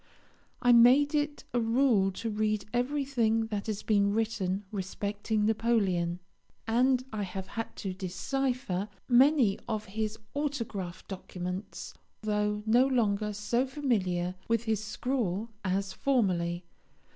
I made it a rule to read everything that has been written respecting Napoleon, and I have had to decipher many of his autograph documents, though no longer so familiar with his scrawl as formerly.